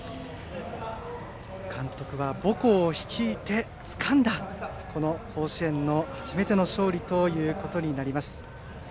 監督は母校を率いてつかんだ甲子園の初めての勝利となります。